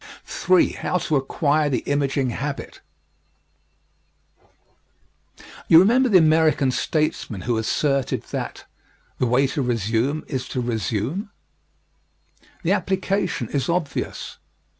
III. HOW TO ACQUIRE THE IMAGING HABIT You remember the American statesman who asserted that "the way to resume is to resume"? The application is obvious.